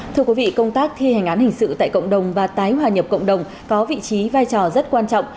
thưa quý vị công tác thi hành án hình sự tại cộng đồng và tái hòa nhập cộng đồng có vị trí vai trò rất quan trọng